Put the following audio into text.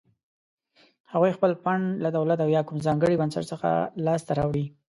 هغوی خپل فنډ له دولت او یا کوم ځانګړي بنسټ څخه لاس ته راوړي.